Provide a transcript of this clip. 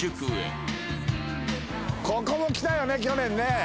ここも来たよね去年ね。